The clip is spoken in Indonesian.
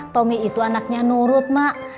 tommy itu anaknya nurut mak